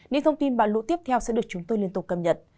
những thông tin bão lũ tiếp theo sẽ được chúng tôi liên tục cầm nhận